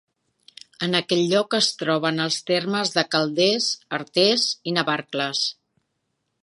En aquest lloc es troben els termes de Calders, Artés i Navarcles.